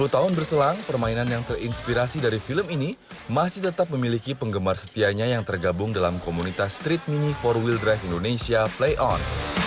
tiga puluh tahun berselang permainan yang terinspirasi dari film ini masih tetap memiliki penggemar setianya yang tergabung dalam komunitas street mini empat wd indonesia play on